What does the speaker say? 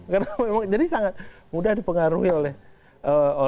karena memang jadi sangat mudah dipengaruhi oleh pergerakan terorisme